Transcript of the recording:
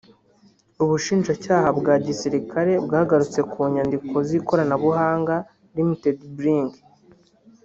Ubushinjacyaha bwa gisirikare bwagarutse ku nyandiko z’ikoranabuhanga Rtd Brig